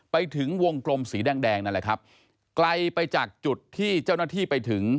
ไปถึงวงกลมสีแดงแดงนั่นแหละครับไกลไปจากจุดที่เจ้าหน้าที่ไปถึง